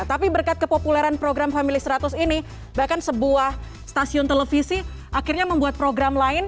tapi berkat kepopuleran program family seratus ini bahkan sebuah stasiun televisi akhirnya membuat program lain